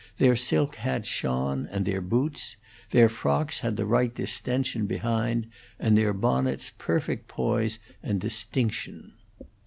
Their silk hats shone, and their boots; their frocks had the right distension behind, and their bonnets perfect poise and distinction.